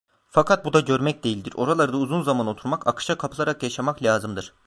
Fakat bu da görmek değildir: Oralarda uzun zaman oturmak, akışa kapılarak yaşamak lazımdır.